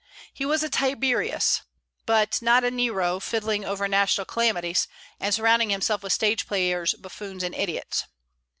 He was a Tiberius, but not a Nero fiddling over national calamities, and surrounding himself with stage players, buffoons, and idiots.